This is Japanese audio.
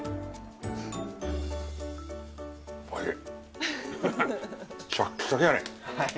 おいしい！